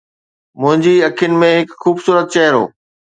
منهنجي اکين ۾ هڪ خوبصورت چهرو